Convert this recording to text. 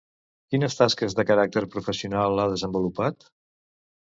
Quines tasques de caràcter professional ha desenvolupat?